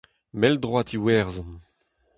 Mell-droad Iwerzhon.